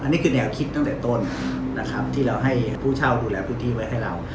นี่คือแนวคิดตั้งแต่ต้นนะครับที่เราให้ผู้เช่าดูแลพื้นที่ไว้ให้เรา